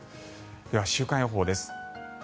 では、週間予報です。